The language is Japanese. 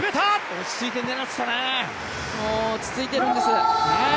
落ち着いているんです。